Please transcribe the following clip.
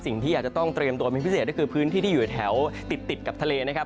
สิ่งที่อาจจะต้องเตรียมตัวเป็นพิเศษก็คือพื้นที่ที่อยู่แถวติดกับทะเลนะครับ